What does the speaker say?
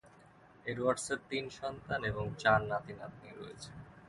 এডওয়ার্ডসের তিন সন্তান এবং চার নাতি-নাতনি রয়েছে।